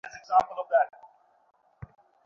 না, ডলি নয়।